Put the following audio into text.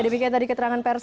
demikian tadi keterangan pers